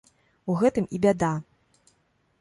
У гэтым і бяда!